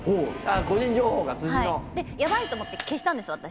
個人情報が辻の。と思って消したんです私。